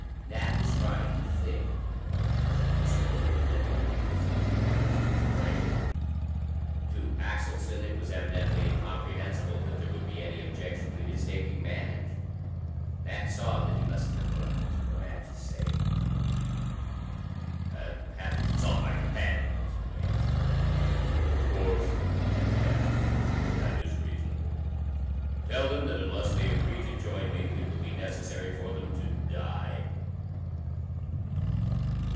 Nat was trying to think, though passion distorted the mental images as they arose in his brain. To Axelson it was evidently incomprehensible that there would be any objection to his taking Madge. Nat saw that he must temporize for Madge's sake. "I'll have to consult my companions," he answered. "Of course," answered Axelson. "That is reasonable. Tell them that unless they agree to join me it will be necessary for them to die.